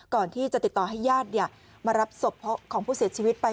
ก่อนที่จะติดต่อให้ญาติมารับศพของผู้เสียชีวิตไป